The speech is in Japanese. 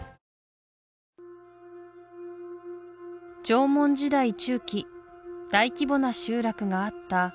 縄文時代中期大規模な集落があった